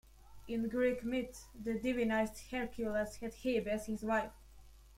In Greek myth, the divinized Hercules had Hebe as his wife.